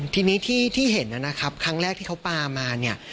ทีนี้ที่เห็นนะครับครั้งแรกที่เขาปลามาเนี่ย